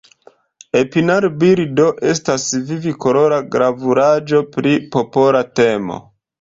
Epinal-bildo estas viv-kolora gravuraĵo pri popola temo.